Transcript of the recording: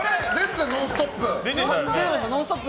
「ノンストップ！」